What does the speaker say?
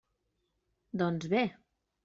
Doncs bé!